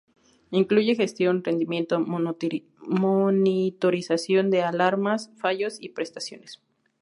Incluye gestión, rendimiento, monitorización de alarmas, fallos y prestaciones.